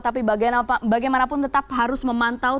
tapi bagaimanapun tetap harus memantau